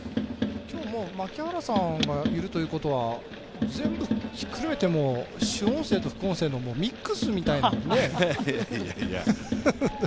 槙原さんがいるということは、全部ひっくるめても主音声と副音声のミックスみたいなね。